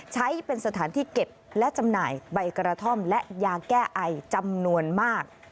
ใช้เป็นสถานที่เก็บและจำหน่ายใบกระท่อมและยาแก้ไอจำนวนมาก